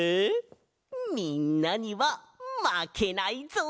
みんなにはまけないぞ！